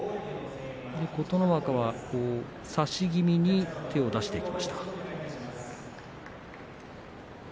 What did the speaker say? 琴ノ若は差し気味に手を出していきました。